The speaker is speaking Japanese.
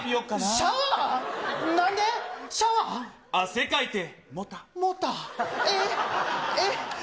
シャワー？えっ？